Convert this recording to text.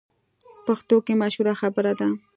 پښتو کې مشهوره خبره ده: